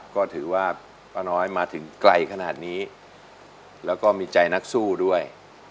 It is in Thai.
ก็ถือว่าป้าน้อยมาถึงไกลขนาดนี้แล้วก็มีใจนักสู้ด้วย